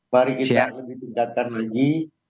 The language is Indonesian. mari kita lebih tingkatkan lagi